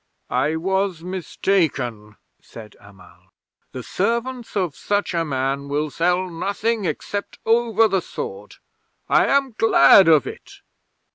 '"I was mistaken," said Amal. "The servants of such a man will sell nothing except over the sword. I am glad of it."